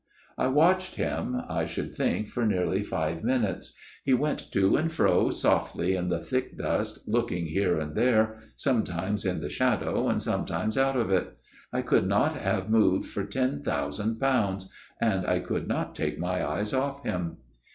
I watched him, I should think for nearly five minutes, he went to and fro softly in the thick dust, looking here and there, some times in the shadow and sometimes out of it. I could not have moved for ten thousand pounds ; and I could not take my eyes off him.